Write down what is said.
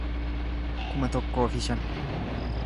kuma tokkoo fi shan